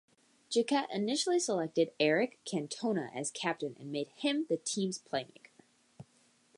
Jacquet initially selected Eric Cantona as captain and made him the team's playmaker.